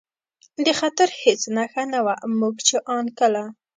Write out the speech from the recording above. د خطر هېڅ نښه نه وه، موږ چې ان کله.